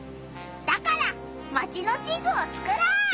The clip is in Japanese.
だからマチの地図をつくろう！